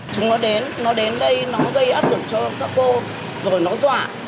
chúng nó đến nó đến đây nó gây áp lực cho các cô rồi nó dọa